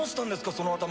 その頭。